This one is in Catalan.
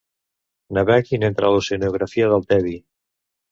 Naveguin entre l'oceanografia del tedi.